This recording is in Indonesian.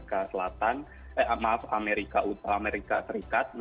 jawabannya ksiets strip humor misalnya